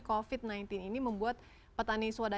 covid sembilan belas ini membuat petani sawit itu berhasil menangkapnya